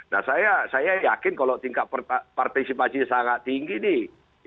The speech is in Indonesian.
nah saya yakin kalau tingkat partisipasinya sangat tinggi nih